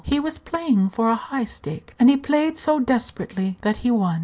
He was playing for a high stake, and he played so desperately that he won.